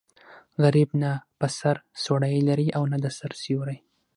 غریب نه په سر څوړی لري او نه د سر سیوری.